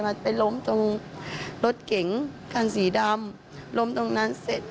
มันไปล้มตรงรถเก๋งคันสีดำล้มตรงนั้นเสร็จ